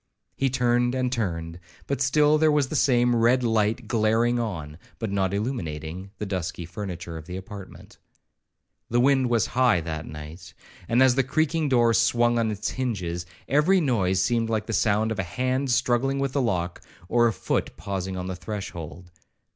He turned and turned, but still there was the same red light glaring on, but not illuminating, the dusky furniture of the apartment. The wind was high that night, and as the creaking door swung on its hinges, every noise seemed like the sound of a hand struggling with the lock, or of a foot pausing on the threshold.